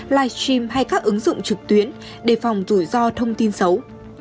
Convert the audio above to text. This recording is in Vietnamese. live stream hay các ứng dụng trực tuyến để phòng rủi ro thông tin xấu